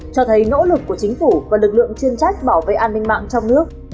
cho thấy nỗ lực của chính phủ và lực lượng chuyên trách bảo vệ an ninh mạng trong nước